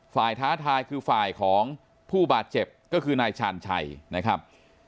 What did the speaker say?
ท้าทายคือฝ่ายของผู้บาดเจ็บก็คือนายชาญชัยนะครับ